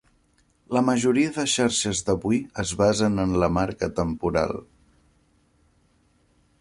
La majoria de les xarxes d'avui es basen en la marca temporal.